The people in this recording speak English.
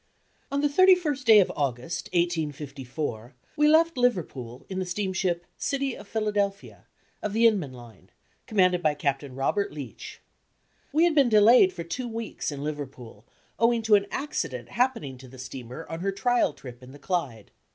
On the 31st day of August, 1854, we left Liverpool in the steamship City of Phila delphia, of the Inman line, commanded by Capt. Robert Leitch. We had been de layed for two weeks in Liverpool, owing to an accident happening to the steamer on her trial trip in the Clyde.